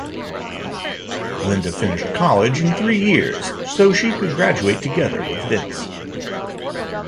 Linda finished college in three years so she could graduate together with Vince.